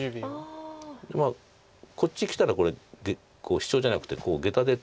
まあこっちきたらこれシチョウじゃなくてゲタで。